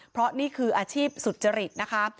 เพราะนี่คืออาชีพสุจริตนะคะ